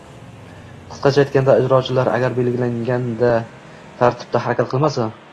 Qisqacha aytganda, ijrochilar agar belgilangan tartibda harakat qilmasa